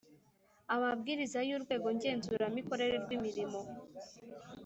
Amabwiriza yUrwego Ngenzuramikorere rw imirimo